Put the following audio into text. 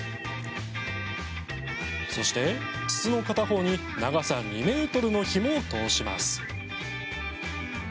そして、筒の片方に長さ２ｍのひもを通します。